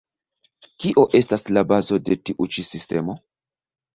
Kio estas la bazo de tiu ĉi sistemo?